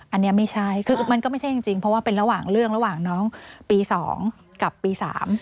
อันนี้ไม่ใช่คือมันก็ไม่ใช่จริงเพราะว่าเป็นระหว่างเรื่องระหว่างน้องปี๒กับปี๓